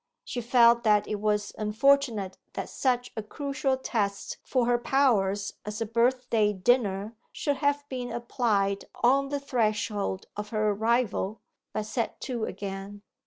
She felt that it was unfortunate that such a crucial test for her powers as a birthday dinner should have been applied on the threshold of her arrival; but set to again.